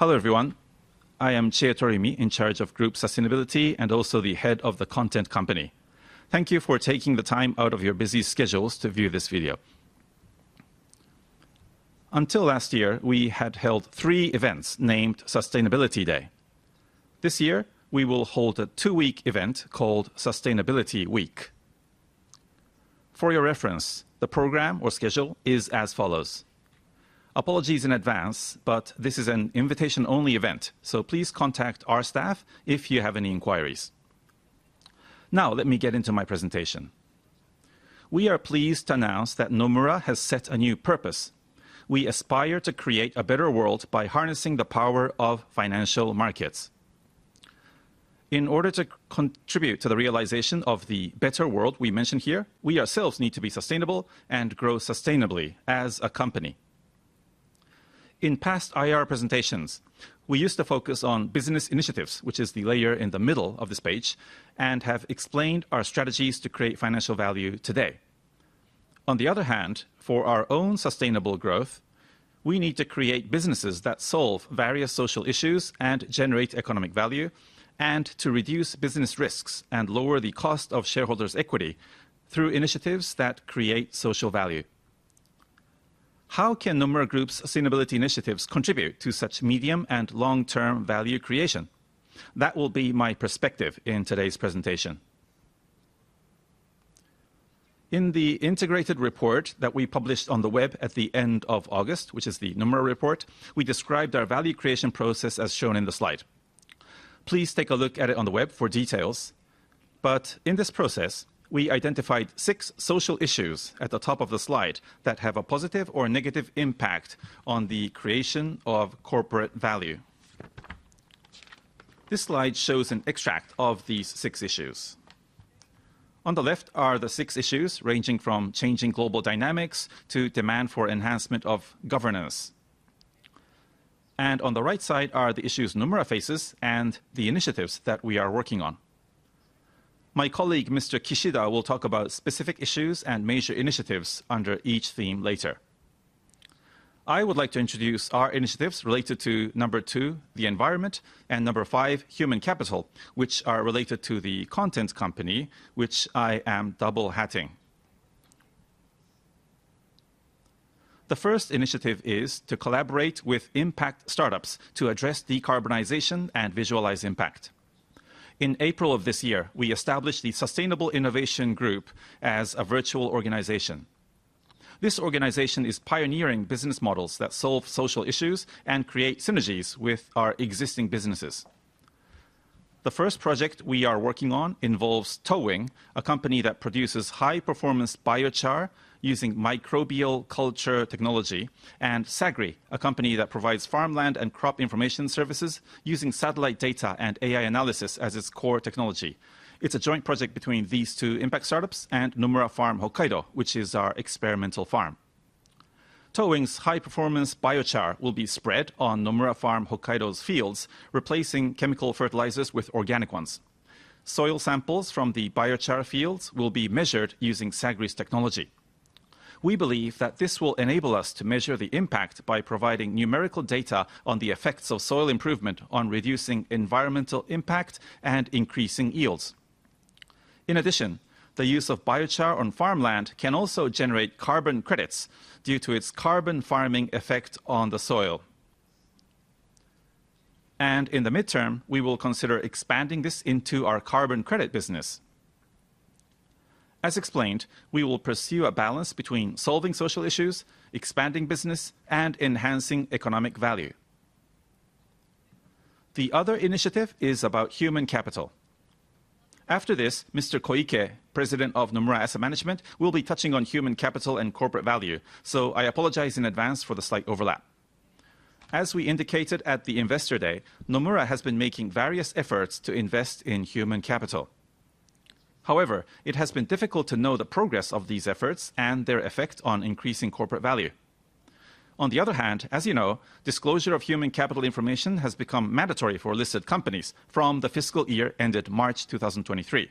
Hello everyone. I am Chie Toriumi, in charge of Group Sustainability and also the Head of the Content Company. Thank you for taking the time out of your busy schedules to view this video. Until last year, we had held three events named Sustainability Day. This year, we will hold a two-week event called Sustainability Week. For your reference, the program or schedule is as follows. Apologies in advance, but this is an invitation-only event, so please contact our staff if you have any inquiries. Now, let me get into my presentation. We are pleased to announce that Nomura has set a new purpose. We aspire to create a better world by harnessing the power of financial markets. In order to contribute to the realization of the better world we mentioned here, we ourselves need to be sustainable and grow sustainably as a company. In past IR presentations, we used to focus on business initiatives, which is the layer in the middle of this page, and have explained our strategies to create financial value today. On the other hand, for our own sustainable growth, we need to create businesses that solve various social issues and generate economic value, and to reduce business risks and lower the cost of shareholders' equity through initiatives that create social value. How can Nomura Group's sustainability initiatives contribute to such medium and long-term value creation? That will be my perspective in today's presentation. In the integrated report that we published on the web at the end of August, which is the Nomura Report, we described our value creation process as shown in the slide. Please take a look at it on the web for details. In this process, we identified six social issues at the top of the slide that have a positive or negative impact on the creation of corporate value. This slide shows an extract of these six issues. On the left are the six issues ranging from changing global dynamics to demand for enhancement of governance. On the right side are the issues Nomura faces and the initiatives that we are working on. My colleague, Mr. Kishida, will talk about specific issues and major initiatives under each theme later. I would like to introduce our initiatives related to number two, the environment, and number five, human capital, which are related to the Content Company, which I am double-hatting. The first initiative is to collaborate with impact startups to address decarbonization and visualize impact. In April of this year, we established the Sustainable Innovation Group as a virtual organization. This organization is pioneering business models that solve social issues and create synergies with our existing businesses. The first project we are working on involves TOWING, a company that produces high-performance biochar using microbial culture technology, and Sagri, a company that provides farmland and crop information services using satellite data and AI analysis as its core technology. It is a joint project between these two impact startups and Nomura Farm Hokkaido, which is our experimental farm. TOWING's high-performance biochar will be spread on Nomura Farm Hokkaido's fields, replacing chemical fertilizers with organic ones. Soil samples from the biochar fields will be measured using Sagri's technology. We believe that this will enable us to measure the impact by providing numerical data on the effects of soil improvement on reducing environmental impact and increasing yields. In addition, the use of biochar on farmland can also generate carbon credits due to its carbon farming effect on the soil. In the midterm, we will consider expanding this into our carbon credit business. As explained, we will pursue a balance between solving social issues, expanding business, and enhancing economic value. The other initiative is about human capital. After this, Mr. Koike, President of Nomura Asset Management, will be touching on human capital and corporate value, so I apologize in advance for the slight overlap. As we indicated at the Investor Day, Nomura has been making various efforts to invest in human capital. However, it has been difficult to know the progress of these efforts and their effect on increasing corporate value. On the other hand, as you know, disclosure of human capital information has become mandatory for listed companies from the fiscal year ended March 2023.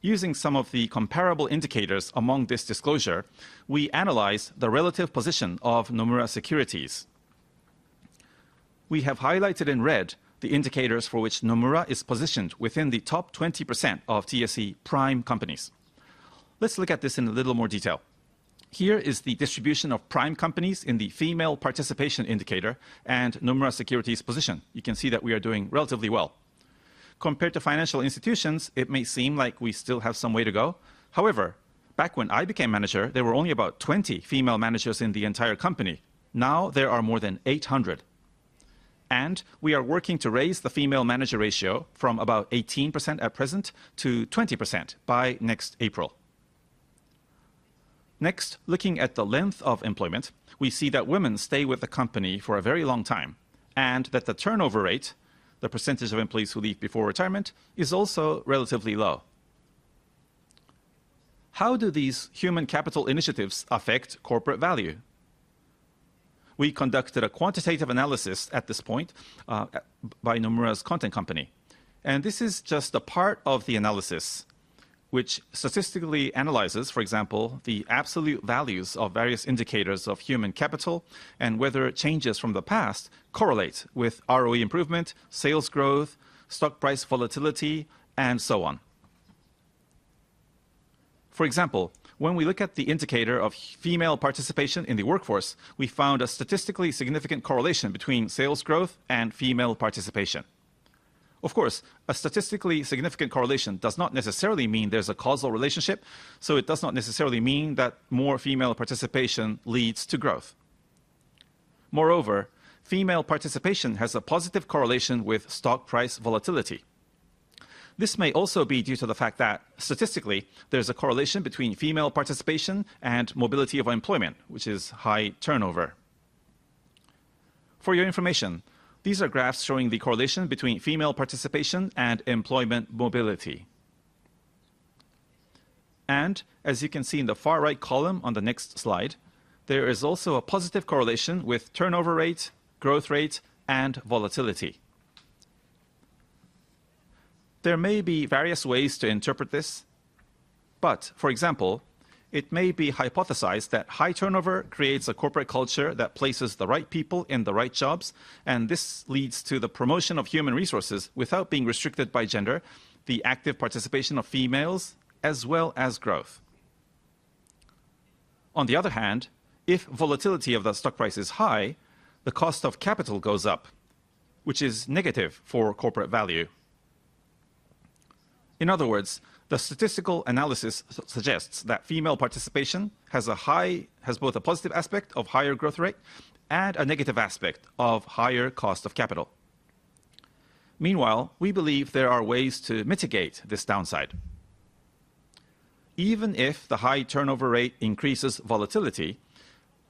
Using some of the comparable indicators among this disclosure, we analyze the relative position of Nomura Securities. We have highlighted in red the indicators for which Nomura is positioned within the top 20% of TSE Prime companies. Let's look at this in a little more detail. Here is the distribution of Prime companies in the female participation indicator and Nomura Securities' position. You can see that we are doing relatively well. Compared to financial institutions, it may seem like we still have some way to go. However, back when I became manager, there were only about 20 female managers in the entire company. Now there are more than 800. We are working to raise the female manager ratio from about 18% at present to 20% by next April. Next, looking at the length of employment, we see that women stay with the company for a very long time, and that the turnover rate, the % of employees who leave before retirement, is also relatively low. How do these human capital initiatives affect corporate value? We conducted a quantitative analysis at this point by Nomura's Content Company. This is just a part of the analysis, which statistically analyzes, for example, the absolute values of various indicators of human capital and whether changes from the past correlate with ROE improvement, sales growth, stock price volatility, and so on. For example, when we look at the indicator of female participation in the workforce, we found a statistically significant correlation between sales growth and female participation. Of course, a statistically significant correlation does not necessarily mean there's a causal relationship, so it does not necessarily mean that more female participation leads to growth. Moreover, female participation has a positive correlation with stock price volatility. This may also be due to the fact that, statistically, there's a correlation between female participation and mobility of employment, which is high turnover. For your information, these are graphs showing the correlation between female participation and employment mobility. As you can see in the far right column on the next slide, there is also a positive correlation with turnover rate, growth rate, and volatility. There may be various ways to interpret this, but, for example, it may be hypothesized that high turnover creates a corporate culture that places the right people in the right jobs, and this leads to the promotion of human resources without being restricted by gender, the active participation of females, as well as growth. On the other hand, if volatility of the stock price is high, the cost of capital goes up, which is negative for corporate value. In other words, the statistical analysis suggests that female participation has both a positive aspect of higher growth rate and a negative aspect of higher cost of capital. Meanwhile, we believe there are ways to mitigate this downside. Even if the high turnover rate increases volatility,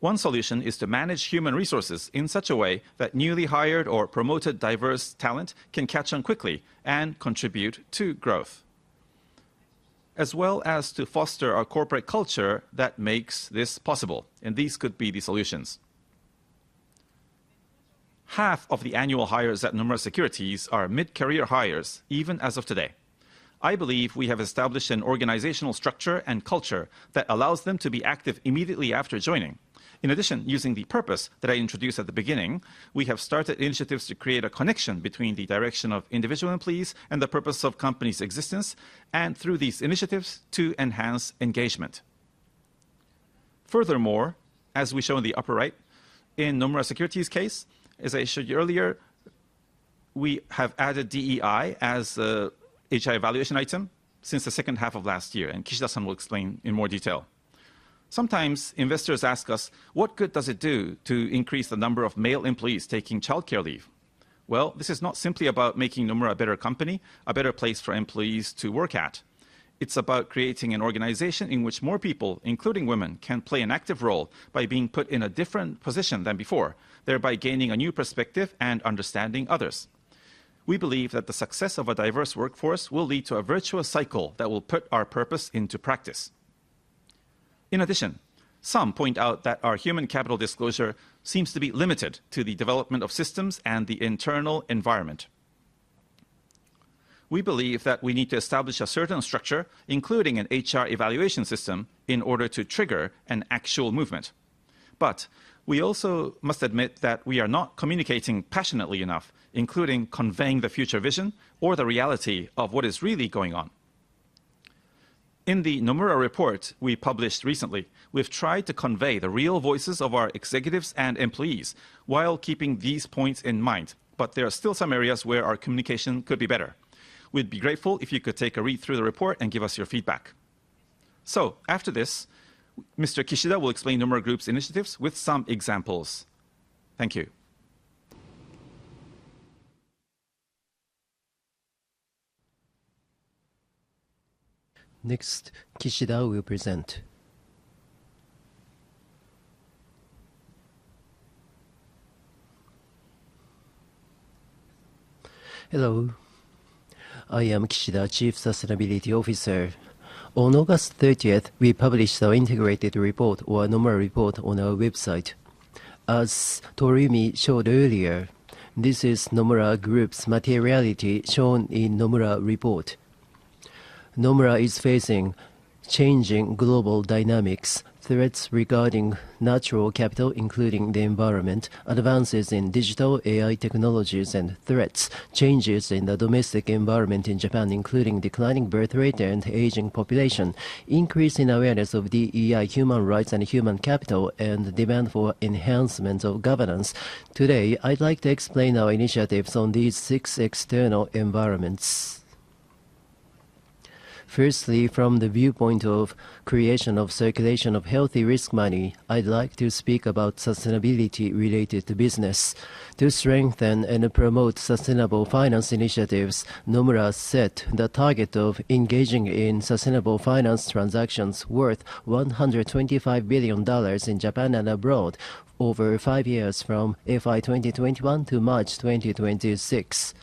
one solution is to manage human resources in such a way that newly hired or promoted diverse talent can catch on quickly and contribute to growth, as well as to foster a corporate culture that makes this possible. These could be the solutions. Half of the annual hires at Nomura Securities are mid-career hires, even as of today. I believe we have established an organizational structure and culture that allows them to be active immediately after joining. In addition, using the purpose that I introduced at the beginning, we have started initiatives to create a connection between the direction of individual employees and the purpose of the company's existence, and through these initiatives, to enhance engagement. Furthermore, as we show in the upper right, in Nomura Securities' case, as I showed you earlier, we have added DEI as the HR evaluation item since the second half of last year, and Kishida-san will explain in more detail. Sometimes investors ask us, what good does it do to increase the number of male employees taking childcare leave? This is not simply about making Nomura a better company, a better place for employees to work at. It's about creating an organization in which more people, including women, can play an active role by being put in a different position than before, thereby gaining a new perspective and understanding others. We believe that the success of a diverse workforce will lead to a virtuous cycle that will put our purpose into practice. In addition, some point out that our human capital disclosure seems to be limited to the development of systems and the internal environment. We believe that we need to establish a certain structure, including an HR evaluation system, in order to trigger an actual movement. We also must admit that we are not communicating passionately enough, including conveying the future vision or the reality of what is really going on. In the Nomura Report we published recently, we've tried to convey the real voices of our executives and employees while keeping these points in mind, but there are still some areas where our communication could be better. We'd be grateful if you could take a read through the report and give us your feedback. After this, Mr. Kishida will explain Nomura Group's initiatives with some examples. Thank you. Next, Kishida will present. Hello. I am Kishida, Chief Sustainability Officer. On August 30, we published our integrated report, or Nomura Report, on our website. As Toriumi showed earlier, this is Nomura Group's materiality shown in Nomura Report. Nomura is facing changing global dynamics, threats regarding natural capital, including the environment, advances in digital AI technologies and threats, changes in the domestic environment in Japan, including declining birth rate and aging population, increasing awareness of DEI, human rights and human capital, and demand for enhancement of governance. Today, I'd like to explain our initiatives on these six external environments. Firstly, from the viewpoint of creation of circulation of healthy risk money, I'd like to speak about sustainability related to business. To strengthen and promote sustainable finance initiatives, Nomura set the target of engaging in sustainable finance transactions worth $125 billion in Japan and abroad over five years, from FY 2021 to March 2026.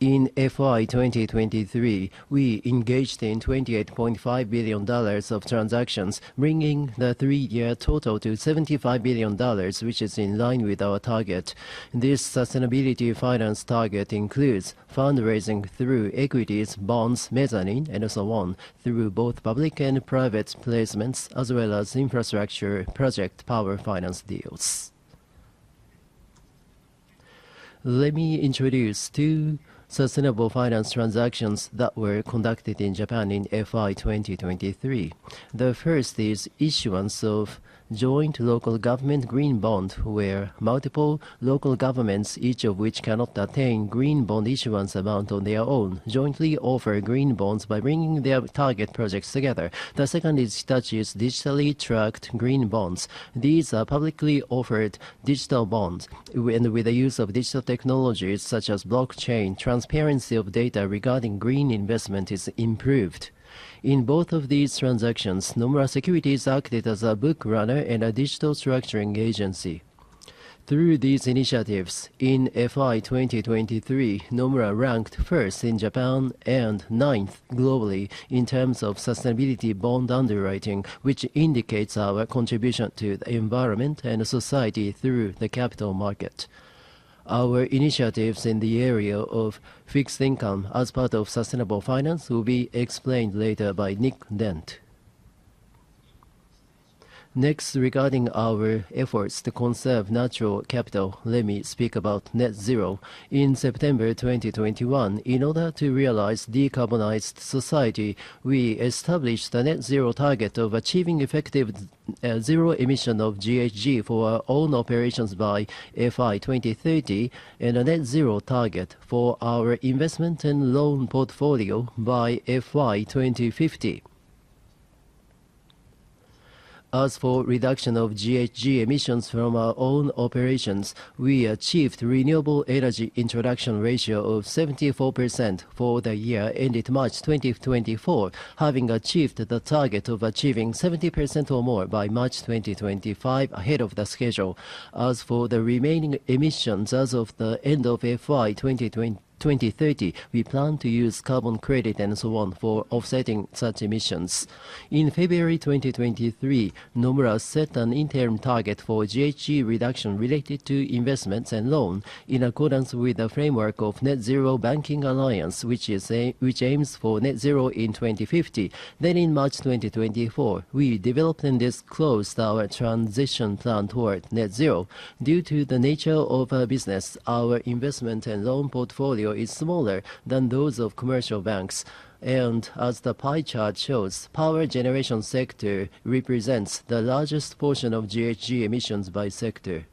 In FY 2023, we engaged in $28.5 billion of transactions, bringing the three-year total to $75 billion, which is in line with our target. This sustainability finance target includes fundraising through equities, bonds, mezzanine, and so on, through both public and private placements, as well as infrastructure project power finance deals. Let me introduce two sustainable finance transactions that were conducted in Japan in FY 2023. The first is issuance of joint local government green bonds, where multiple local governments, each of which cannot attain green bond issuance amount on their own, jointly offer green bonds by bringing their target projects together. The second is such as digitally tracked green bonds. These are publicly offered digital bonds, and with the use of digital technologies such as blockchain, transparency of data regarding green investment is improved. In both of these transactions, Nomura Securities acted as a bookrunner and a digital structuring agency. Through these initiatives, in FY 2023, Nomura ranked first in Japan and ninth globally in terms of sustainability bond underwriting, which indicates our contribution to the environment and society through the capital market. Our initiatives in the area of fixed income as part of sustainable finance will be explained later by Nick Dent. Next, regarding our efforts to conserve natural capital, let me speak about net zero. In September 2021, in order to realize decarbonized society, we established a net zero target of achieving effective zero emission of GHG for our own operations by FY 2030, and a net zero target for our investment and loan portfolio by FY 2050. As for reduction of GHG emissions from our own operations, we achieved renewable energy introduction ratio of 74% for the year ended March 2024, having achieved the target of achieving 70% or more by March 2025 ahead of the schedule. As for the remaining emissions as of the end of FY 2030, we plan to use carbon credit and so on for offsetting such emissions. In February 2023, Nomura set an interim target for GHG reduction related to investments and loan in accordance with the framework of Net Zero Banking Alliance, which aims for net zero in 2050. In March 2024, we developed and disclosed our transition plan toward net zero. Due to the nature of our business, our investment and loan portfolio is smaller than those of commercial banks. As the pie chart shows, power generation sector represents the largest portion of GHG emissions by sector.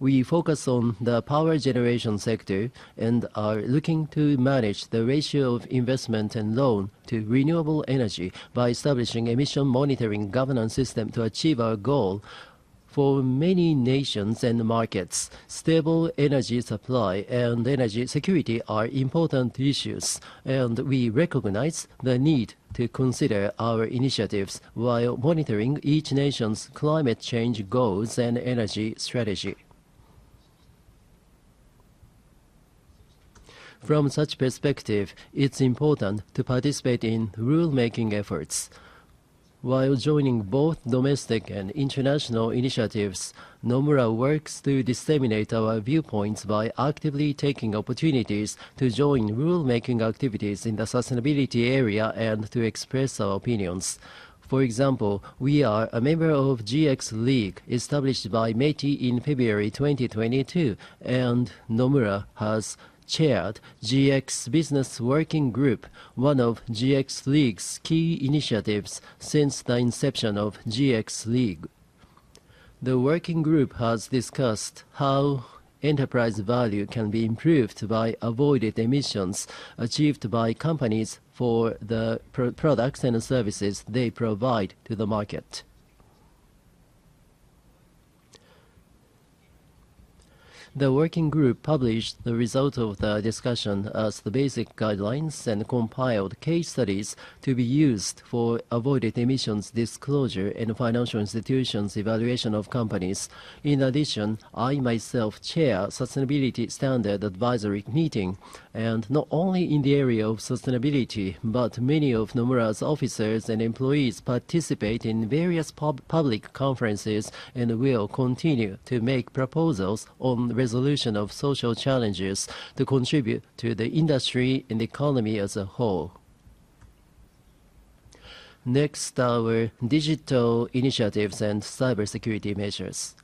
We focus on the power generation sector and are looking to manage the ratio of investment and loan to renewable energy by establishing emission monitoring governance system to achieve our goal. For many nations and markets, stable energy supply and energy security are important issues, and we recognize the need to consider our initiatives while monitoring each nation's climate change goals and energy strategy. From such perspective, it's important to participate in rulemaking efforts. While joining both domestic and international initiatives, Nomura works to disseminate our viewpoints by actively taking opportunities to join rulemaking activities in the sustainability area and to express our opinions. For example, we are a member of GX League, established by METI in February 2022, and Nomura has chaired GX Business Working Group, one of GX League's key initiatives since the inception of GX League. The working group has discussed how enterprise value can be improved by avoided emissions achieved by companies for the products and services they provide to the market. The working group published the result of the discussion as the basic guidelines and compiled case studies to be used for avoided emissions disclosure and financial institutions' evaluation of companies. In addition, I myself chair a sustainability standard advisory meeting, and not only in the area of sustainability, but many of Nomura's officers and employees participate in various public conferences and will continue to make proposals on the resolution of social challenges to contribute to the industry and the economy as a whole. Next, our digital initiatives and cybersecurity measures.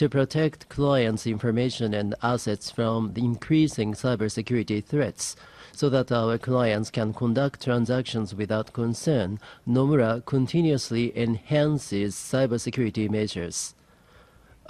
To protect clients' information and assets from the increasing cybersecurity threats so that our clients can conduct transactions without concern, Nomura continuously enhances cybersecurity measures.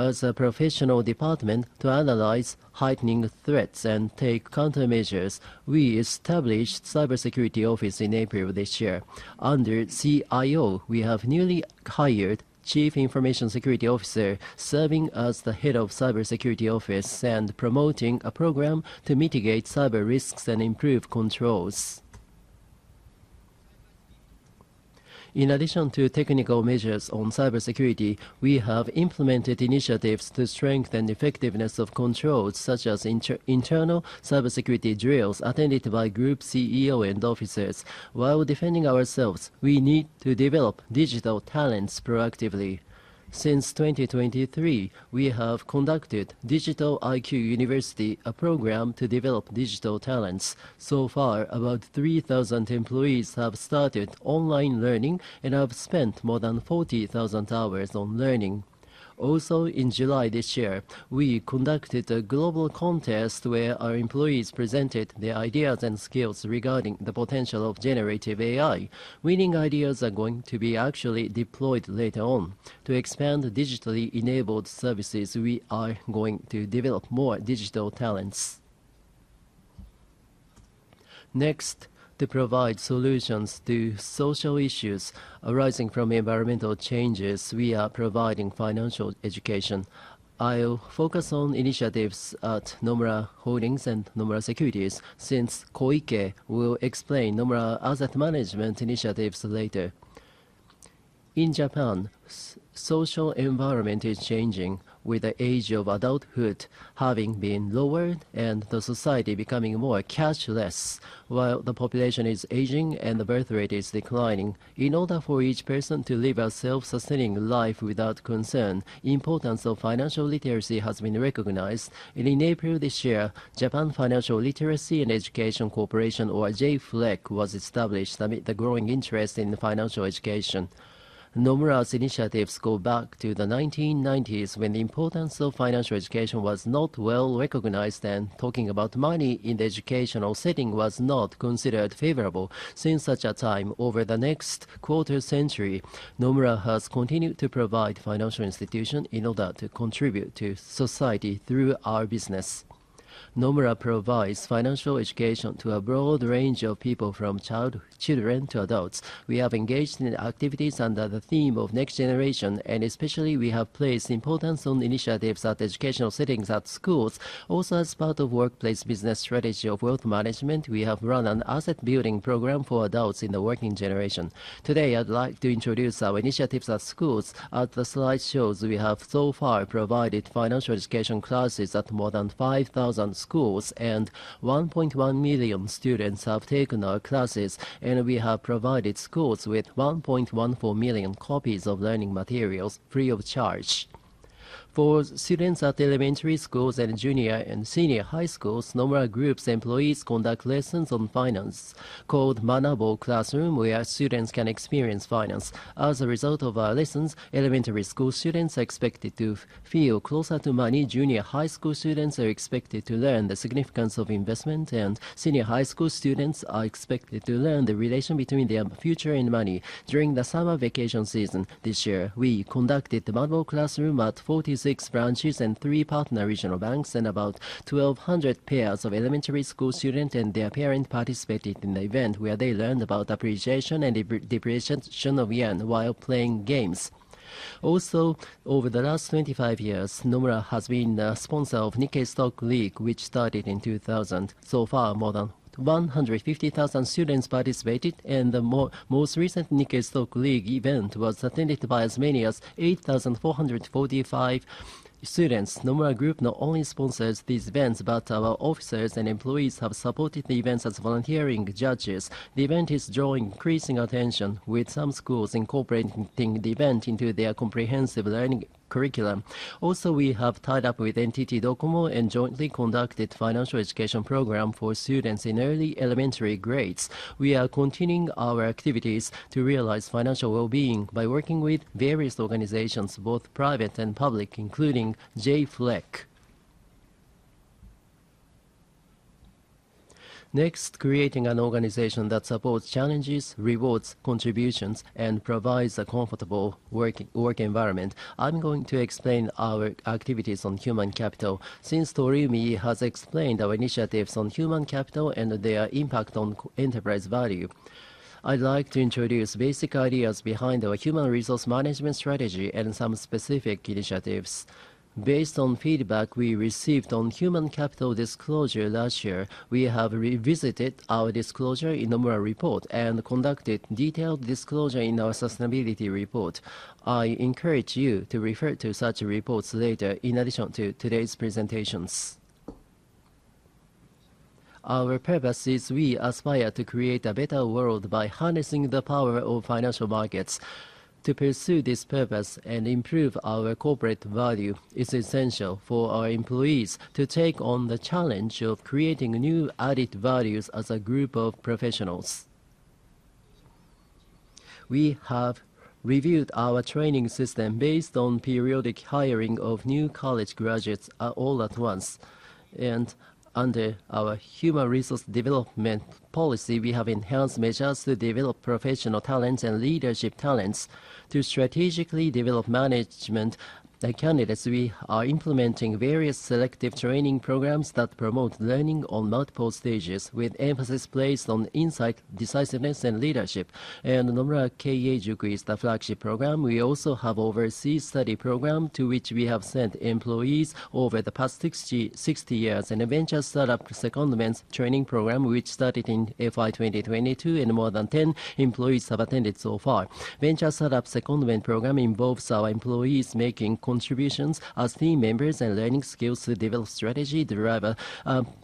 As a professional department to analyze heightening threats and take countermeasures, we established a cybersecurity office in April this year. Under CIO, we have newly hired a Chief Information Security Officer serving as the head of the cybersecurity office and promoting a program to mitigate cyber risks and improve controls. In addition to technical measures on cybersecurity, we have implemented initiatives to strengthen the effectiveness of controls, such as internal cybersecurity drills attended by group CEOs and officers. While defending ourselves, we need to develop digital talents proactively. Since 2023, we have conducted Digital IQ University, a program to develop digital talents. So far, about 3,000 employees have started online learning and have spent more than 40,000 hours on learning. Also, in July this year, we conducted a global contest where our employees presented their ideas and skills regarding the potential of generative AI. Winning ideas are going to be actually deployed later on. To expand digitally enabled services, we are going to develop more digital talents. Next, to provide solutions to social issues arising from environmental changes, we are providing financial education. I'll focus on initiatives at Nomura Holdings and Nomura Securities, since Koike will explain Nomura Asset Management initiatives later. In Japan, social environment is changing, with the age of adulthood having been lowered and the society becoming more cashless. While the population is aging and the birth rate is declining, in order for each person to live a self-sustaining life without concern, the importance of financial literacy has been recognized. In April this year, Japan Financial Literacy and Education Corporation, or J-FLEC, was established amid the growing interest in financial education. Nomura's initiatives go back to the 1990s, when the importance of financial education was not well recognized, and talking about money in the educational setting was not considered favorable. Since such a time, over the next quarter century, Nomura has continued to provide financial institutions in order to contribute to society through our business. Nomura provides financial education to a broad range of people, from children to adults. We have engaged in activities under the theme of next generation, and especially we have placed importance on initiatives at educational settings at schools. Also, as part of the workplace business strategy of Wealth Management, we have run an asset building program for adults in the working generation. Today, I'd like to introduce our initiatives at schools. As the slide shows, we have so far provided financial education classes at more than 5,000 schools, and 1.1 million students have taken our classes, and we have provided schools with 1.14 million copies of learning materials free of charge. For students at elementary schools and junior and senior high schools, Nomura Group's employees conduct lessons on finance, called Manabu Classroom, where students can experience finance. As a result of our lessons, elementary school students are expected to feel closer to money, junior high school students are expected to learn the significance of investment, and senior high school students are expected to learn the relation between their future and money. During the summer vacation season this year, we conducted the Manabu Classroom at 46 branches and three partner regional banks, and about 1,200 pairs of elementary school students and their parents participated in the event where they learned about appreciation and depreciation of yen while playing games. Also, over the last 25 years, Nomura has been the sponsor of Nikkei Stock League, which started in 2000. So far, more than 150,000 students participated, and the most recent Nikkei Stock League event was attended by as many as 8,445 students. Nomura Group not only sponsors these events, but our officers and employees have supported the events as volunteering judges. The event is drawing increasing attention, with some schools incorporating the event into their comprehensive learning curriculum. Also, we have tied up with NTT DOCOMO and jointly conducted a financial education program for students in early elementary grades. We are continuing our activities to realize financial well-being by working with various organizations, both private and public, including J-FLEC. Next, creating an organization that supports challenges, rewards, contributions, and provides a comfortable work environment. I'm going to explain our activities on human capital. Since Toriumi has explained our initiatives on human capital and their impact on enterprise value, I'd like to introduce basic ideas behind our human resource management strategy and some specific initiatives. Based on feedback we received on human capital disclosure last year, we have revisited our disclosure in Nomura Report and conducted a detailed disclosure in our sustainability report. I encourage you to refer to such reports later in addition to today's presentations. Our purpose is we aspire to create a better world by harnessing the power of financial markets. To pursue this purpose and improve our corporate value, it's essential for our employees to take on the challenge of creating new added values as a group of professionals. We have reviewed our training system based on periodic hiring of new college graduates all at once. Under our human resource development policy, we have enhanced measures to develop professional talents and leadership talents to strategically develop management candidates. We are implementing various selective training programs that promote learning on multiple stages, with emphasis placed on insight, decisiveness, and leadership. Nomura Keiei-Juku is the flagship program. We also have an overseas study program to which we have sent employees over the past 60 years, and a venture startup secondment training program, which started in fiscal year 2022, and more than 10 employees have attended so far. Venture startup secondment program involves our employees making contributions as team members and learning skills to develop strategy, drive a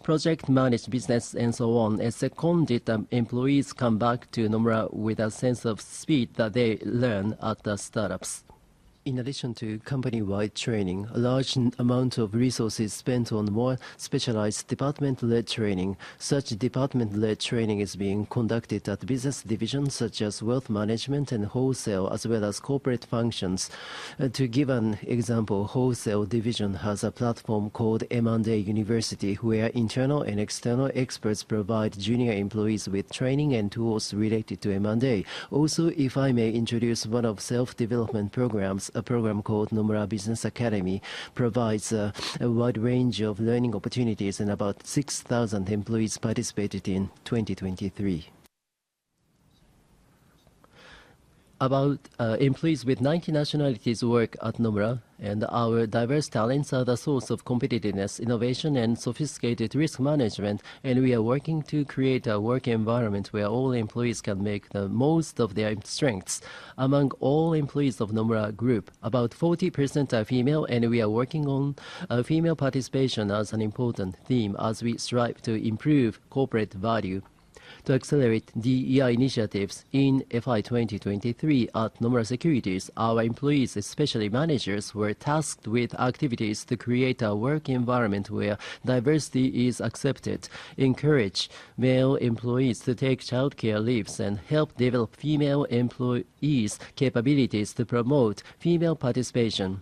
project, manage business, and so on. As seconded employees come back to Nomura with a sense of speed that they learn at the startups. In addition to company-wide training, a large amount of resources are spent on more specialized department-led training. Such department-led training is being conducted at business divisions such as Wealth Management and Wholesale, as well as corporate functions. To give an example, the Wholesale division has a platform called M&A University, where internal and external experts provide junior employees with training and tools related to M&A. Also, if I may introduce one of the self-development programs, a program called Nomura Business Academy provides a wide range of learning opportunities, and about 6,000 employees participated in 2023. About employees with 90 nationalities work at Nomura, and our diverse talents are the source of competitiveness, innovation, and sophisticated risk management. We are working to create a work environment where all employees can make the most of their strengths. Among all employees of Nomura Group, about 40% are female, and we are working on female participation as an important theme as we strive to improve corporate value. To accelerate DEI initiatives in FY 2023 at Nomura Securities, our employees, especially managers, were tasked with activities to create a work environment where diversity is accepted, encourage male employees to take childcare leaves, and help develop female employees' capabilities to promote female participation.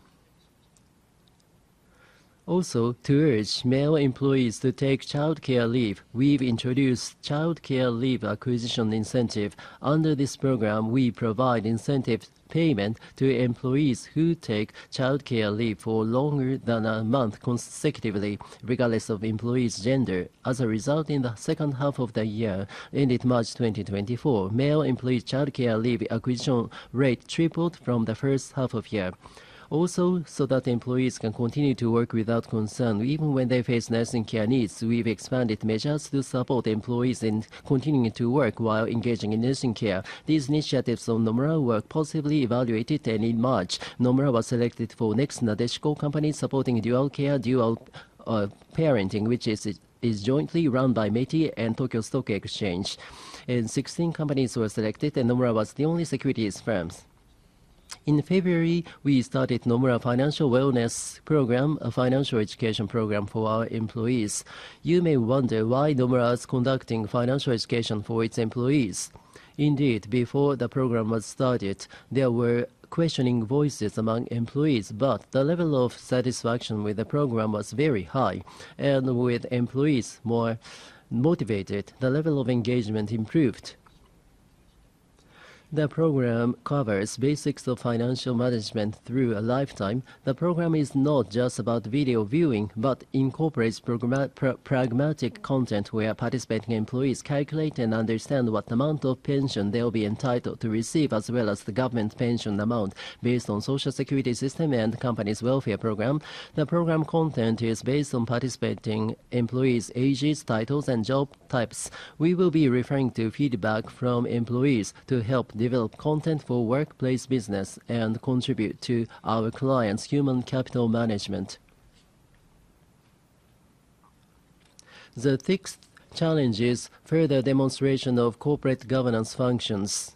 Also, to urge male employees to take childcare leave, we've introduced a childcare leave acquisition incentive. Under this program, we provide incentive payment to employees who take childcare leave for longer than a month consecutively, regardless of employee's gender. As a result, in the second half of the year, ended March 2024, male employee childcare leave acquisition rate tripled from the first half of the year. Also, so that employees can continue to work without concern, even when they face nursing care needs, we've expanded measures to support employees in continuing to work while engaging in nursing care. These initiatives on Nomura were positively evaluated, and in March, Nomura was selected for Next Nadeshiko Company supporting dual care dual parenting, which is jointly run by METI and Tokyo Stock Exchange. 16 companies were selected, and Nomura was the only securities firm. In February, we started Nomura Financial Wellness Program, a financial education program for our employees. You may wonder why Nomura is conducting financial education for its employees. Indeed, before the program was started, there were questioning voices among employees, but the level of satisfaction with the program was very high. With employees more motivated, the level of engagement improved. The program covers basics of financial management through a lifetime. The program is not just about video viewing, but incorporates pragmatic content where participating employees calculate and understand what amount of pension they'll be entitled to receive, as well as the government pension amount based on the social security system and the company's welfare program. The program content is based on participating employees' ages, titles, and job types. We will be referring to feedback from employees to help develop content for workplace business and contribute to our clients' human capital management. The sixth challenge is further demonstration of corporate governance functions.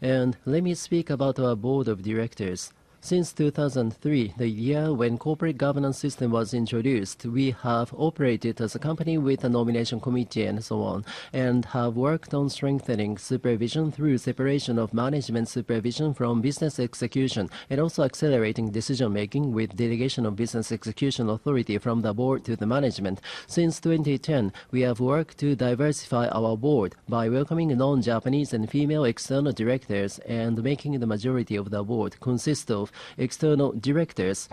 Let me speak about our board of directors. Since 2003, the year when the corporate governance system was introduced, we have operated as a company with a nomination committee and so on, and have worked on strengthening supervision through separation of management supervision from business execution, and also accelerating decision-making with delegation of business execution authority from the board to the management. Since 2010, we have worked to diversify our board by welcoming non-Japanese and female external directors and making the majority of the board consist of external directors.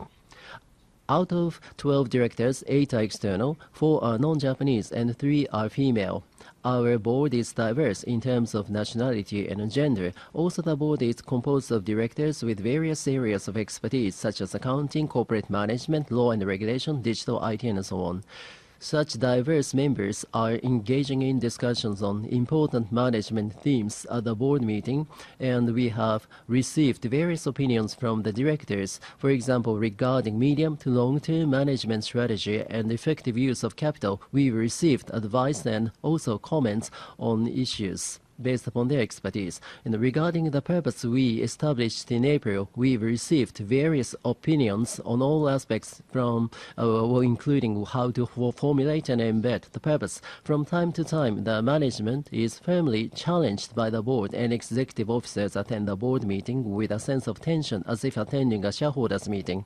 Out of 12 directors, 8 are external, 4 are non-Japanese, and 3 are female. Our board is diverse in terms of nationality and gender. Also, the board is composed of directors with various areas of expertise, such as accounting, corporate management, law and regulation, digital IT, and so on. Such diverse members are engaging in discussions on important management themes at the board meeting, and we have received various opinions from the directors. For example, regarding medium to long-term management strategy and effective use of capital, we received advice and also comments on issues based upon their expertise. Regarding the purpose we established in April, we received various opinions on all aspects, including how to formulate and embed the purpose. From time to time, the management is firmly challenged by the board, and executive officers attend the board meeting with a sense of tension, as if attending a shareholders' meeting.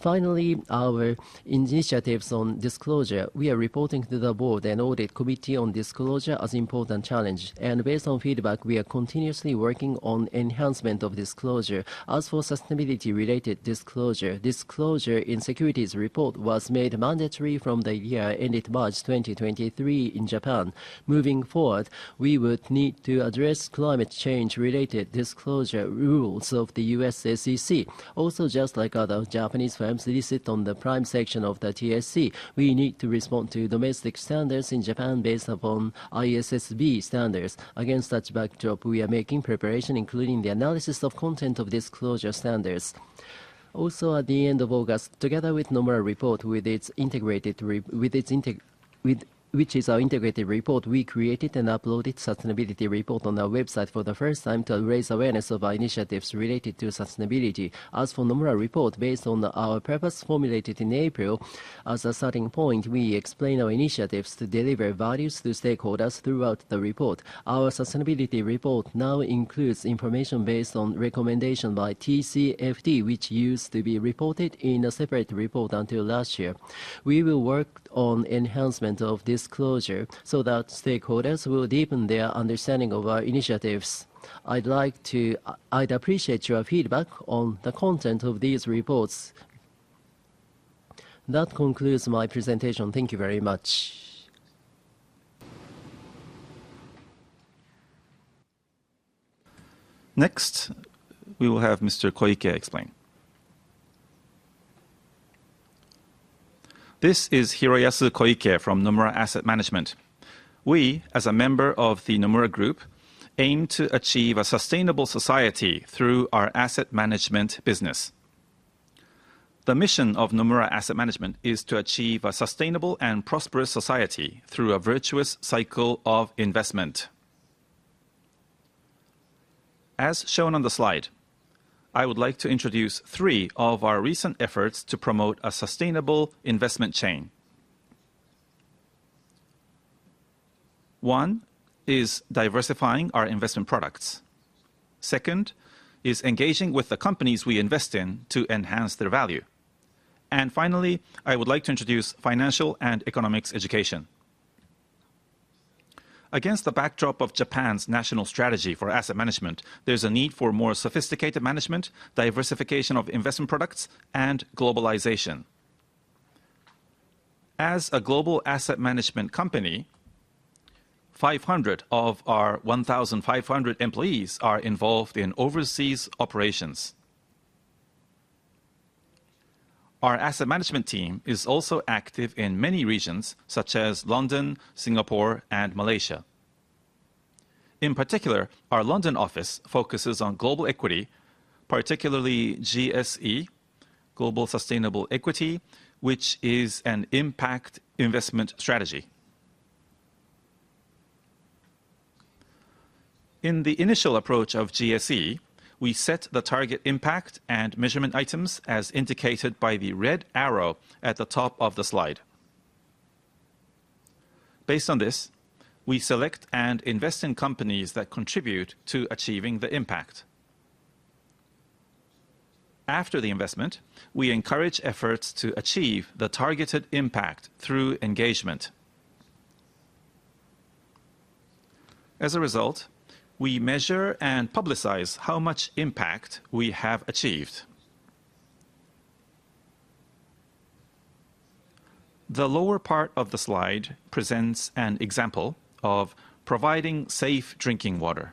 Finally, our initiatives on disclosure. We are reporting to the board and audit committee on disclosure as an important challenge. Based on feedback, we are continuously working on enhancement of disclosure. As for sustainability-related disclosure, disclosure in securities report was made mandatory from the year ended March 2023 in Japan. Moving forward, we would need to address climate change-related disclosure rules of the U.S. SEC. Also, just like other Japanese firms listed on the prime section of the TSE, we need to respond to domestic standards in Japan based upon ISSB standards. Against such backdrop, we are making preparation, including the analysis of content of disclosure standards. Also, at the end of August, together with Nomura Report, with its integrated report, we created and uploaded a sustainability report on our website for the first time to raise awareness of our initiatives related to sustainability. As for Nomura Report, based on our purpose formulated in April, as a starting point, we explain our initiatives to deliver values to stakeholders throughout the report. Our sustainability report now includes information based on recommendations by TCFD, which used to be reported in a separate report until last year. We will work on enhancement of disclosure so that stakeholders will deepen their understanding of our initiatives. I'd appreciate your feedback on the content of these reports. That concludes my presentation. Thank you very much. Next, we will have Mr. Koike explain. This is Hiroyasu Koike from Nomura Asset Management. We, as a member of the Nomura Group, aim to achieve a sustainable society through our asset management business. The mission of Nomura Asset Management is to achieve a sustainable and prosperous society through a virtuous cycle of investment. As shown on the slide, I would like to introduce three of our recent efforts to promote a sustainable investment chain. One is diversifying our investment products. Second is engaging with the companies we invest in to enhance their value. Finally, I would like to introduce financial and economics education. Against the backdrop of Japan's national strategy for asset management, there is a need for more sophisticated management, diversification of investment products, and globalization. As a global asset management company, 500 of our 1,500 employees are involved in overseas operations. Our asset management team is also active in many regions, such as London, Singapore, and Malaysia. In particular, our London office focuses on global equity, particularly GSE, Global Sustainable Equity, which is an impact investment strategy. In the initial approach of GSE, we set the target impact and measurement items as indicated by the red arrow at the top of the slide. Based on this, we select and invest in companies that contribute to achieving the impact. After the investment, we encourage efforts to achieve the targeted impact through engagement. As a result, we measure and publicize how much impact we have achieved. The lower part of the slide presents an example of providing safe drinking water.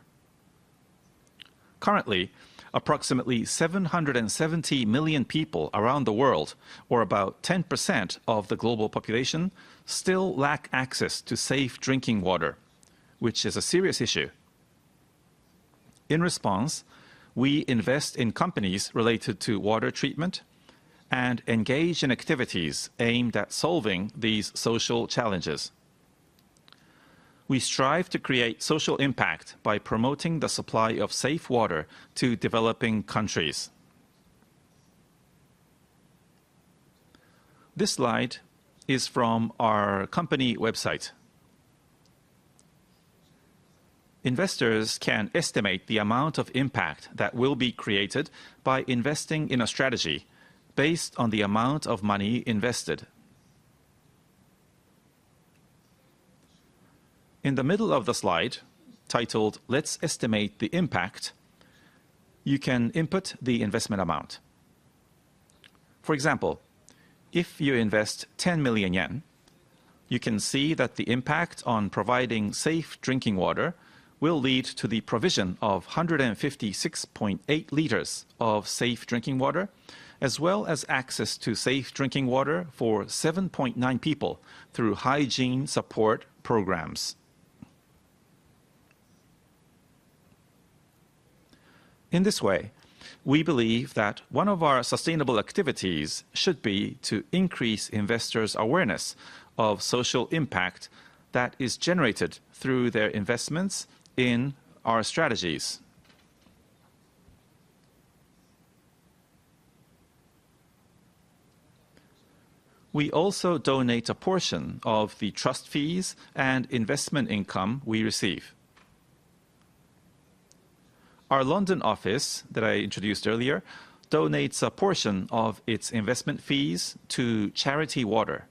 Currently, approximately 770 million people around the world, or about 10% of the global population, still lack access to safe drinking water, which is a serious issue. In response, we invest in companies related to water treatment and engage in activities aimed at solving these social challenges. We strive to create social impact by promoting the supply of safe water to developing countries. This slide is from our company website. Investors can estimate the amount of impact that will be created by investing in a strategy based on the amount of money invested. In the middle of the slide, titled "Let's Estimate the Impact," you can input the investment amount. For example, if you invest 10 million yen, you can see that the impact on providing safe drinking water will lead to the provision of 156.8 liters of safe drinking water, as well as access to safe drinking water for 7.9 people through hygiene support programs. In this way, we believe that one of our sustainable activities should be to increase investors' awareness of social impact that is generated through their investments in our strategies. We also donate a portion of the trust fees and investment income we receive. Our London office that I introduced earlier donates a portion of its investment fees to charity: water.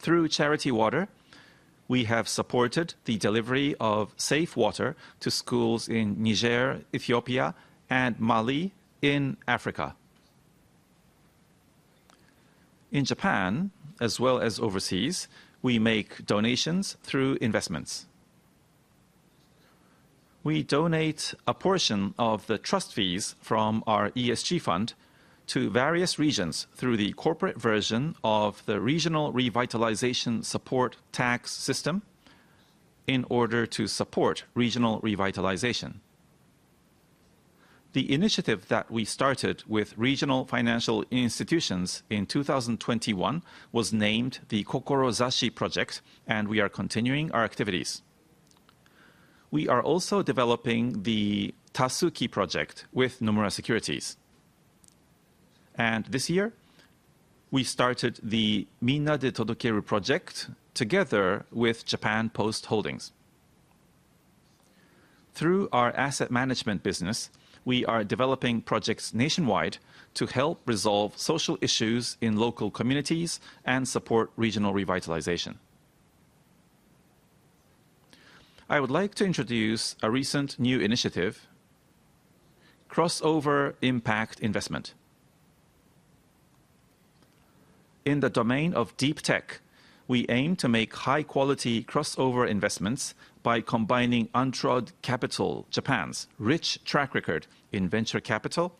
Through charity: water, we have supported the delivery of safe water to schools in Niger, Ethiopia, and Mali in Africa. In Japan, as well as overseas, we make donations through investments. We donate a portion of the trust fees from our ESG fund to various regions through the corporate version of the regional revitalization support tax system in order to support regional revitalization. The initiative that we started with regional financial institutions in 2021 was named the Kokorozashi Project, and we are continuing our activities. We are also developing the Tasuki Project with Nomura Securities. This year, we started the Minna-de Todokeru Project together with Japan Post Holdings. Through our asset management business, we are developing projects nationwide to help resolve social issues in local communities and support regional revitalization. I would like to introduce a recent new initiative, Crossover Impact Investment. In the domain of deep tech, we aim to make high-quality crossover investments by combining Untrod Capital Japan's rich track record in venture capital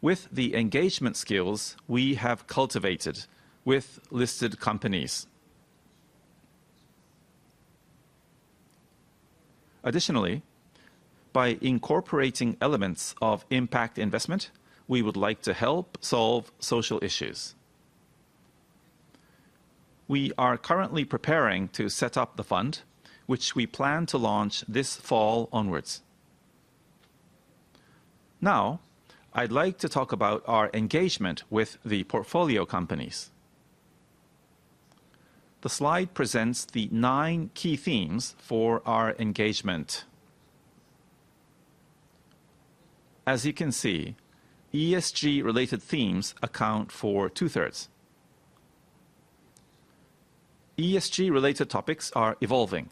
with the engagement skills we have cultivated with listed companies. Additionally, by incorporating elements of impact investment, we would like to help solve social issues. We are currently preparing to set up the fund, which we plan to launch this fall onwards. Now, I'd like to talk about our engagement with the portfolio companies. The slide presents the nine key themes for our engagement. As you can see, ESG-related themes account for two-thirds. ESG-related topics are evolving.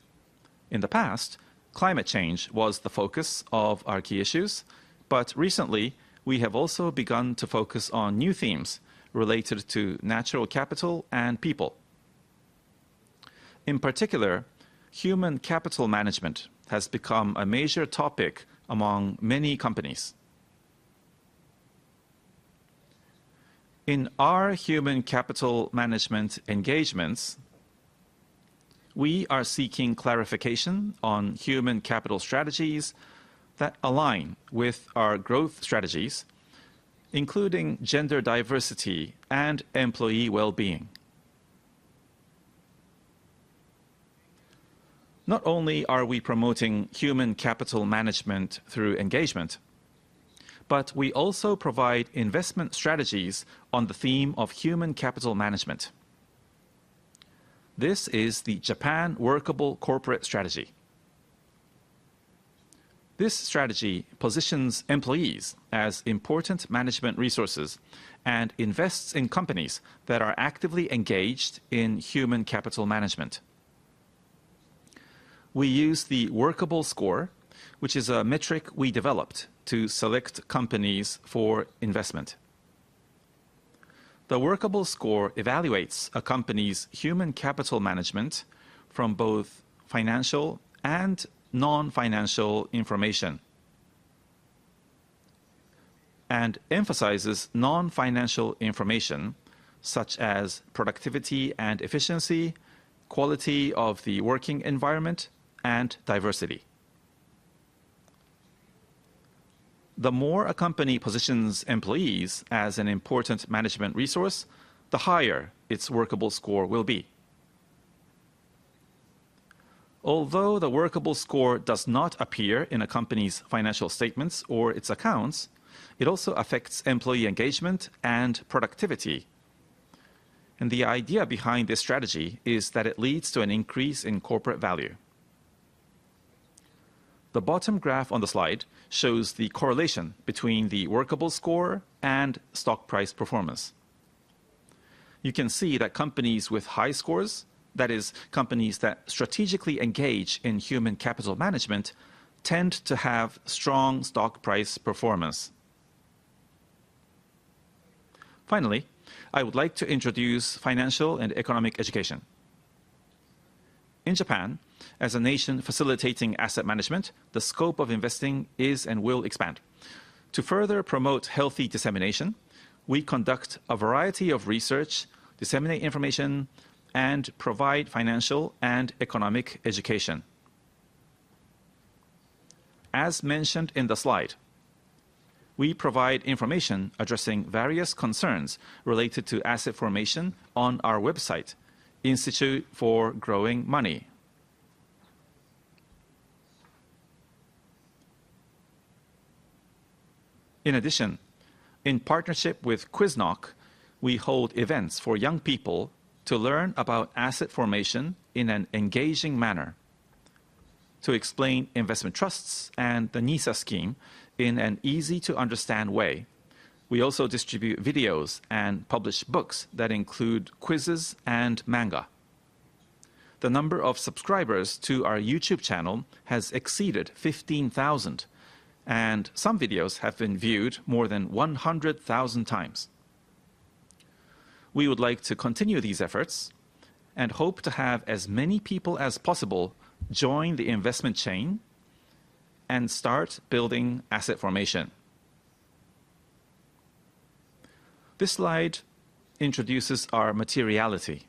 In the past, climate change was the focus of our key issues, but recently, we have also begun to focus on new themes related to natural capital and people. In particular, human capital management has become a major topic among many companies. In our human capital management engagements, we are seeking clarification on human capital strategies that align with our growth strategies, including gender diversity and employee well-being. Not only are we promoting human capital management through engagement, but we also provide investment strategies on the theme of human capital management. This is the Japan Workable Corporate Strategy. This strategy positions employees as important management resources and invests in companies that are actively engaged in human capital management. We use the Workable Score, which is a metric we developed to select companies for investment. The Workable Score evaluates a company's human capital management from both financial and non-financial information and emphasizes non-financial information such as productivity and efficiency, quality of the working environment, and diversity. The more a company positions employees as an important management resource, the higher its Workable Score will be. Although the Workable Score does not appear in a company's financial statements or its accounts, it also affects employee engagement and productivity. The idea behind this strategy is that it leads to an increase in corporate value. The bottom graph on the slide shows the correlation between the Workable Score and stock price performance. You can see that companies with high scores, that is, companies that strategically engage in human capital management, tend to have strong stock price performance. Finally, I would like to introduce financial and economic education. In Japan, as a nation facilitating asset management, the scope of investing is and will expand. To further promote healthy dissemination, we conduct a variety of research, disseminate information, and provide financial and economic education. As mentioned in the slide, we provide information addressing various concerns related to asset formation on our website, Institute for Growing Money. In addition, in partnership with QuizKnock, we hold events for young people to learn about asset formation in an engaging manner. To explain investment trusts and the NISA scheme in an easy-to-understand way, we also distribute videos and publish books that include quizzes and manga. The number of subscribers to our YouTube channel has exceeded 15,000, and some videos have been viewed more than 100,000 times. We would like to continue these efforts and hope to have as many people as possible join the investment chain and start building asset formation. This slide introduces our materiality.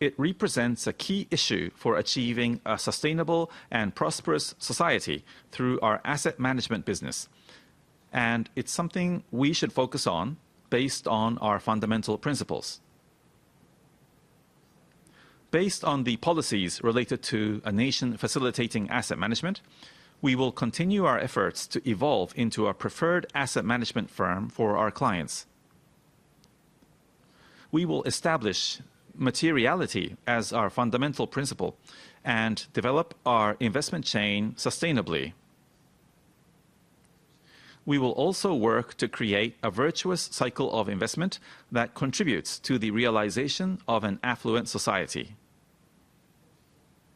It represents a key issue for achieving a sustainable and prosperous society through our asset management business, and it's something we should focus on based on our fundamental principles. Based on the policies related to a nation facilitating asset management, we will continue our efforts to evolve into a preferred asset management firm for our clients. We will establish materiality as our fundamental principle and develop our investment chain sustainably. We will also work to create a virtuous cycle of investment that contributes to the realization of an affluent society.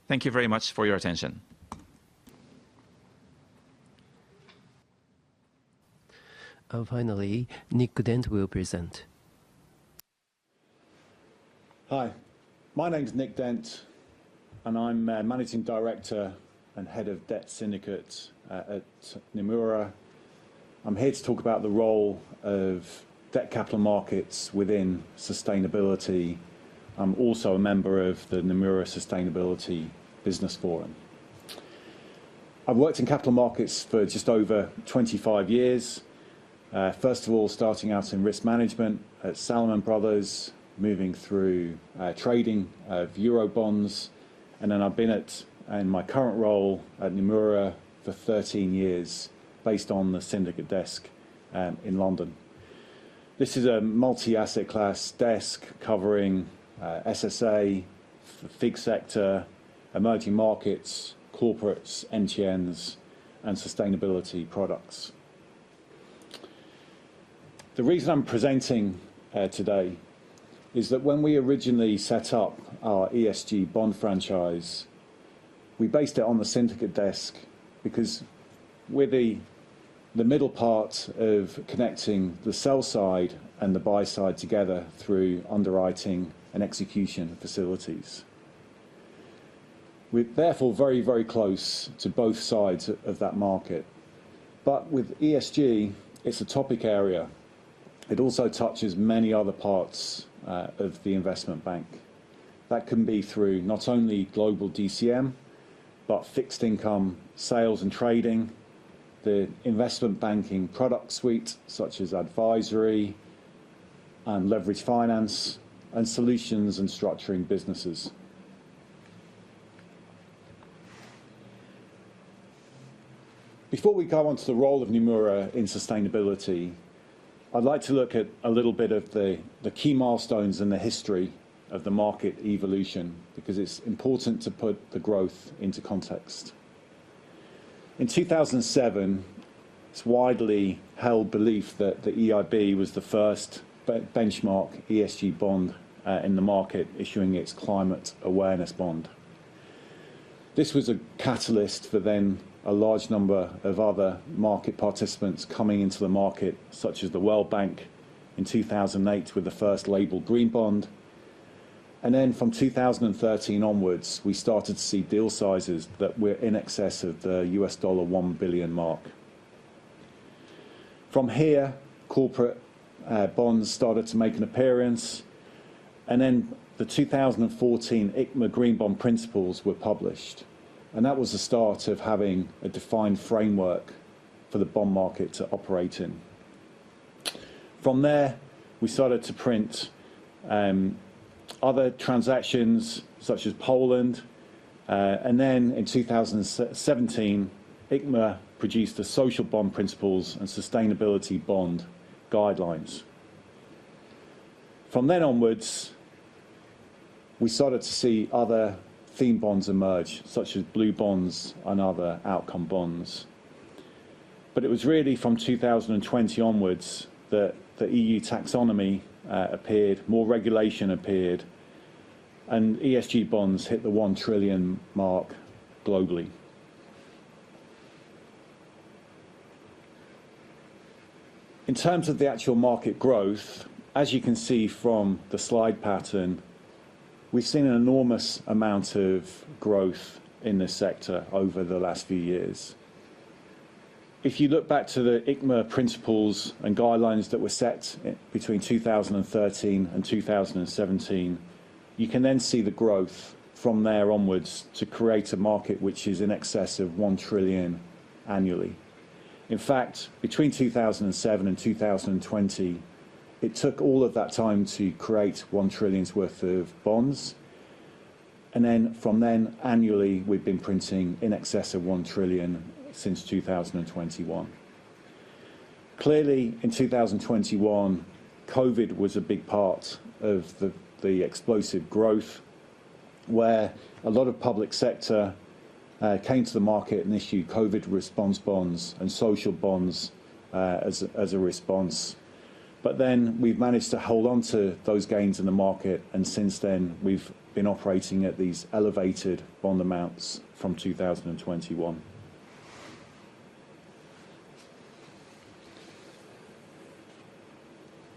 Thank you very much for your attention. Finally, Nick Dent will present. Hi, my name's Nick Dent. I'm Managing Director and Head of Debt Syndicate at Nomura. I'm here to talk about the role of debt capital markets within sustainability. I'm also a member of the Nomura Sustainability Business Forum. I've worked in capital markets for just over 25 years, first of all starting out in risk management at Salomon Brothers, moving through trading of Eurobonds. Then I've been in my current role at Nomura for 13 years based on the syndicate desk in London. This is a multi-asset class desk covering SSA, the FIG sector, emerging markets, corporates, MTNs, and sustainability products. The reason I'm presenting today is that when we originally set up our ESG bond franchise, we based it on the syndicate desk because we're the middle part of connecting the sell side and the buy side together through underwriting and execution facilities. We're therefore very, very close to both sides of that market. With ESG, it's a topic area. It also touches many other parts of the investment bank. That can be through not only global DCM, but fixed income sales and trading, the investment banking product suite such as advisory and leverage finance, and solutions and structuring businesses. Before we go on to the role of Nomura in sustainability, I'd like to look at a little bit of the key milestones in the history of the market evolution because it's important to put the growth into context. In 2007, it's widely held belief that the EIB was the first benchmark ESG bond in the market issuing its Climate Awareness Bond. This was a catalyst for then a large number of other market participants coming into the market, such as the World Bank in 2008 with the first labeled Green Bond. From 2013 onwards, we started to see deal sizes that were in excess of the $1 billion mark. From here, corporate bonds started to make an appearance. The 2014 ICMA Green Bond Principles were published. That was the start of having a defined framework for the bond market to operate in. From there, we started to print other transactions such as Poland. In 2017, ICMA produced the Social Bond Principles and Sustainability Bond Guidelines. From then onwards, we started to see other theme bonds emerge, such as blue bonds and other outcome bonds. It was really from 2020 onwards that the EU taxonomy appeared, more regulation appeared, and ESG bonds hit the $1 trillion mark globally. In terms of the actual market growth, as you can see from the slide pattern, we've seen an enormous amount of growth in this sector over the last few years. If you look back to the ICMA Principles and Guidelines that were set between 2013 and 2017, you can then see the growth from there onwards to create a market which is in excess of $1 trillion annually. In fact, between 2007 and 2020, it took all of that time to create $1 trillion's worth of bonds. From then, annually, we've been printing in excess of $1 trillion since 2021. Clearly, in 2021, COVID was a big part of the explosive growth where a lot of public sector came to the market and issued COVID response bonds and social bonds as a response. We have managed to hold on to those gains in the market, and since then, we have been operating at these elevated bond amounts from 2021.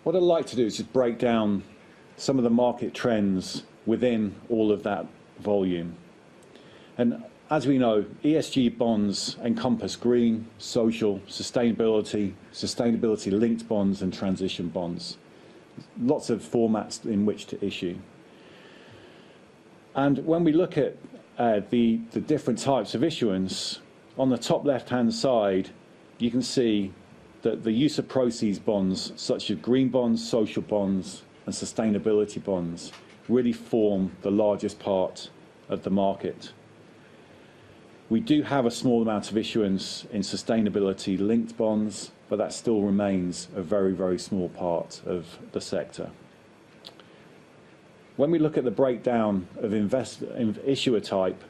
What I would like to do is just break down some of the market trends within all of that volume. As we know, ESG bonds encompass green, social, sustainability, sustainability-linked bonds, and transition bonds, lots of formats in which to issue. When we look at the different types of issuance, on the top left-hand side, you can see that the use of proceeds bonds, such as green bonds, social bonds, and sustainability bonds, really form the largest part of the market. We do have a small amount of issuance in sustainability-linked bonds, but that still remains a very, very small part of the sector. When we look at the breakdown of issuer type,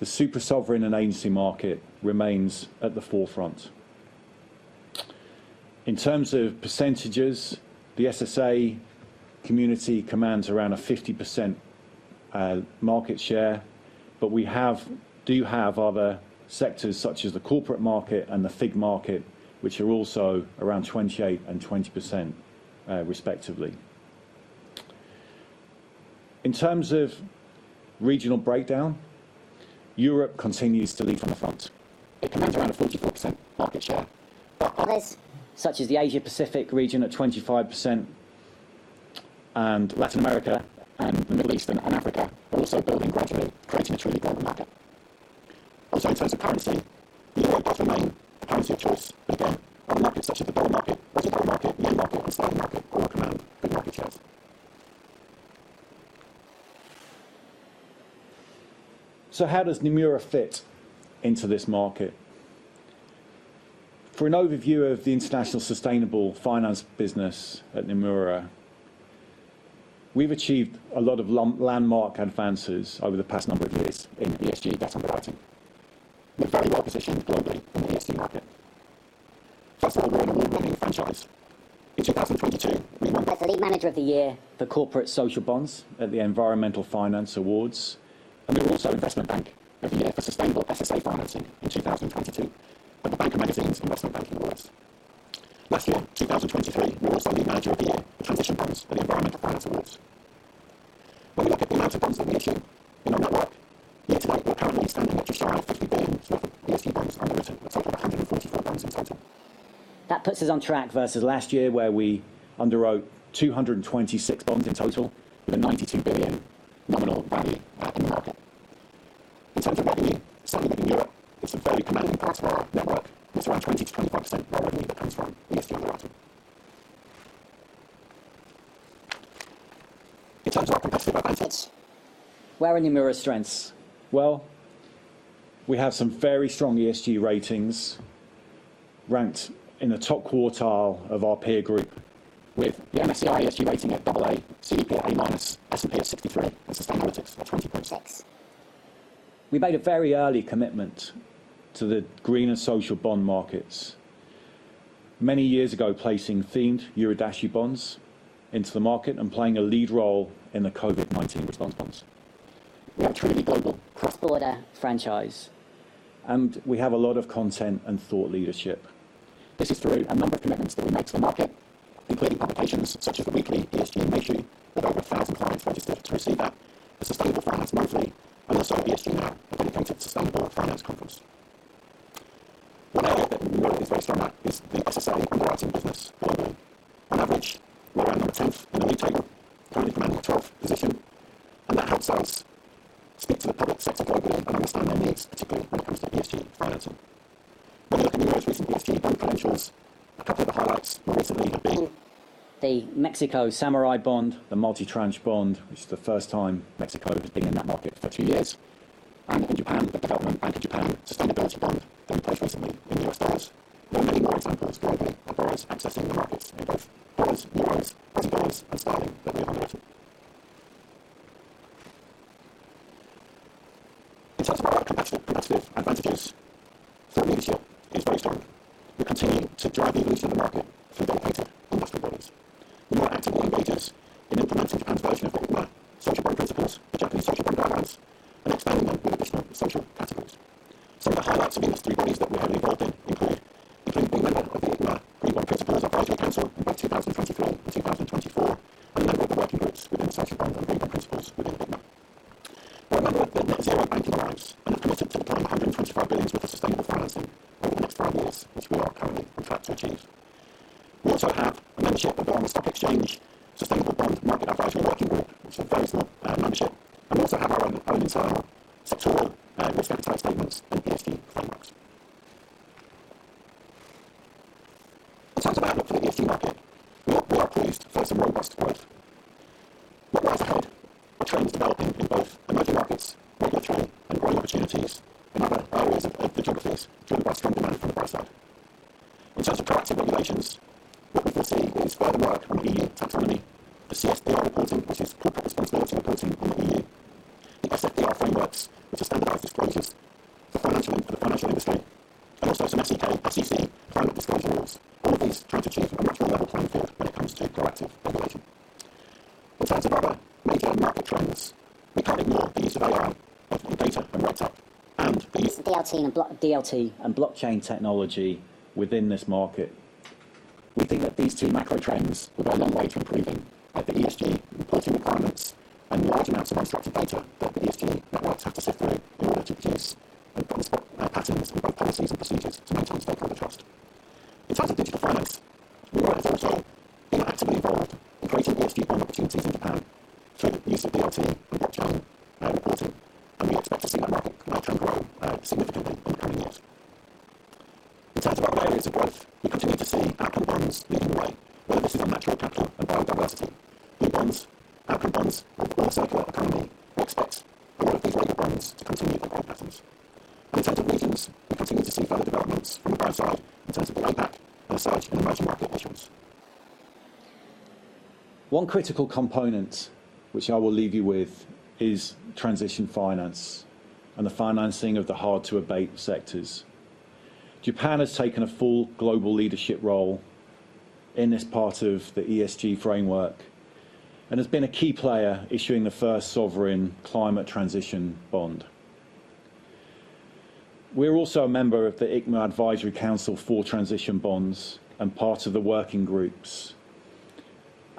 the Supra, Sovereign and Agency market remains at the forefront. In terms of percentages, the SSA community commands around a 50% market share, but we do have other sectors such as the corporate market and the FIG market, which are also around 28% and 20%, respectively. In terms of regional breakdown, Europe continues to lead on the front. It commands around a 44% market share. Others such as the Asia-Pacific region at 25%, and Latin America and the Middle East and Africa are also building gradually, creating a truly golden market. Also, in terms of currency, you're right by the main currency of choice. Again, on markets such as the dollar market, market, yen market, or sterling market, all command good market shares. How does Nomura fit into this market? For an overview of the international sustainable finance business at Nomura, we've achieved a lot of landmark advances over the past number of years in ESG data underwriting. We're very well positioned globally in the ESG market. First of all, we're an award-winning franchise. In 2022, as the Lead Manager of the Year, the Corporate Social Bonds at the Environmental Finance Awards, and we were also Investment Bank of the Year for Sustainable SSA Financing in 2022, and The Banker magazine's Investment Banking Awards. Last year, 2023, we were also Lead Manager of the Year, Transition Bonds at the Environmental Finance Awards. When we look at the amount of bonds that we've seen in our network, year to date, we're currently standing at just shy of $3 billion ESG bonds on the return of 144 bonds in total. That puts us on track versus last year where we underwrote 226 bonds in total with a $92 billion nominal value in the market. In terms of revenue, selling in Europe, it's a fairly commanding part of our network. It's around 20%-25% of our revenue that comes from ESG underwriting. In terms of our competitive advance, where are Nomura's strengths? We have some very strong ESG ratings, ranked in the top quartile of our peer group with the MSCI ESG rating at AA, CDP A minus, S&P of 63, and sustainability of 20 points. We made a very early commitment to the green and social bond markets many years ago, placing themed Euro-denominated bonds into the market and playing a lead role in the COVID-19 response bonds. We have a truly global cross-border franchise. We have a lot of content and thought leadership. This is through a number of commitments that we make to the market, including publications such as the weekly ESG in MQ that are over 1,500 registered to receive that, Sustainable Funds Monthly, and also ESG Now dedicated to some of our finance companies. Based on that is the SSA underwriting business. On average, we're around number 10 in the league table, currently commanding a 12th position, and that helps us speak to the public sector globally and understand their needs, particularly when it comes to ESG priority. You can use recent ESG bond credentials to cover the highlights recently of the Mexico Samurai bond, the multi-tranche bond, which is the first time Mexico has been in that market for two years. In Japan, the Development Bank of Japan sustainability bond has been placed recently in US dollars. There are many more examples globally as well as investors in the markets in both dollars and euros, as well as starting the real world. In terms of our competitive advantages, leadership is very strong. We continue to drive evolution in the market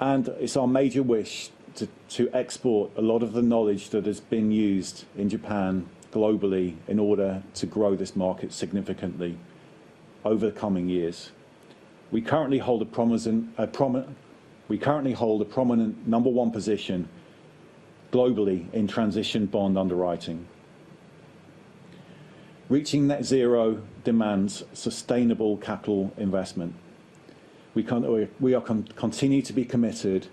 It is our major wish to export a lot of the knowledge that has been used in Japan globally in order to grow this market significantly over the coming years. We currently hold a prominent number one position globally in transition bond underwriting. Reaching net zero demands sustainable capital investment. We are continuing to be committed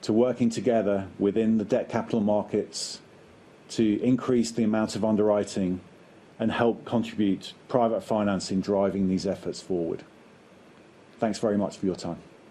to working together within the debt capital markets to increase the amount of underwriting and help contribute private financing driving these efforts forward. Thanks very much for your time.